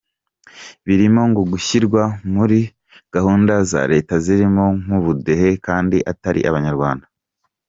Birimo ngo gushyirwa muri gahunda za leta zirimo nk’ubudehe kandi atari Abanyarwanda.